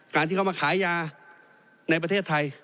การที่เขามาขายยาในประเทศไทย